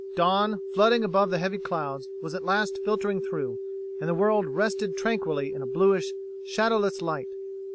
Dawn, flooding above the heavy clouds, was at last filtering through, and the world rested tranquilly in a bluish, shadowless light.